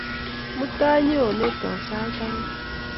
Mutai nyeonetok sait ang'wan